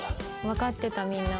わかってたみんな。